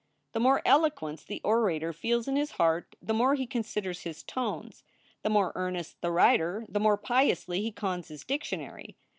The more eloquence the orator feels in his heart the more he considers his tones. The more earnest the writer the more piously he cons his dictionary.